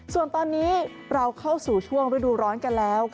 ส่วนตอนนี้เราเข้าสู่ช่วงฤดูร้อนกันแล้ว